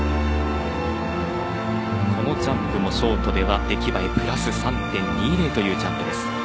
このジャンプもショートでは出来栄え、プラス３．２０というジャンプです。